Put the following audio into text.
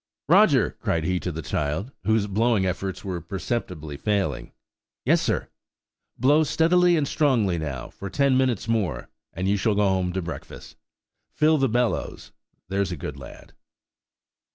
"Roger," cried he to the child, whose blowing efforts were perceptibly failing. "Yes, sir!" "Blow steadily and strongly now, for ten minutes more, and you shall go home to breakfast. Fill the bellows, there's a good lad."